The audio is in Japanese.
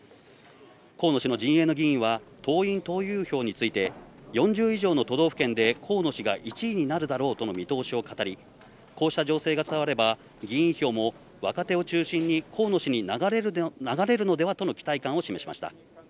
河野氏の陣営の議員は党員・党友票について４０以上の都道府県で河野氏が１位になるだろうとの見通しを語り、こうした状勢が伝われば議員票も若手を中心に河野氏に流れるのではとの期待感を示しました。